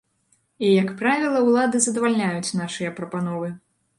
І як правіла ўлады задавальняюць нашыя прапановы.